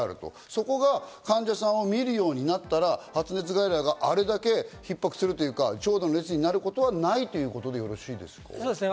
そこが患者さんを診れるようになったら発熱外来があれだけ逼迫するというか、長蛇の列になることはないということでよろしいですか？